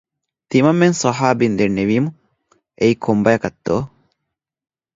ތިމަންމެން ޞަޙާބީން ދެންނެވީމު، އެއީ ކޮން ބަޔަކަށްތޯ